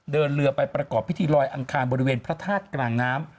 เดินเรือไปประกอบพิธีลอยอังคารบริเวณพระธาตุกลางน้ำ